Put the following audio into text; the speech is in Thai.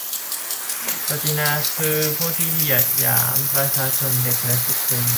ศักดินาคือพวกที่ดูถูกเหยียดหยามประชาชน เด็กและสตรี ?